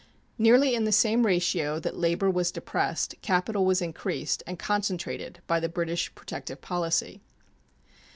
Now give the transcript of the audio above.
Nearly in the same ratio that labor was depressed capital was increased and concentrated by the British protective policy.